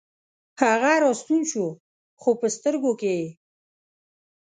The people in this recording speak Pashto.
هغه راستون شو، خوپه سترګوکې یې